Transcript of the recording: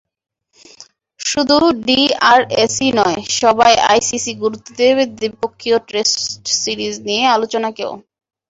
শুধু ডিআরএসই নয়, সভায় আইসিসি গুরুত্ব দেবে দ্বিপক্ষীয় টেস্ট সিরিজ নিয়ে আলোচনাকেও।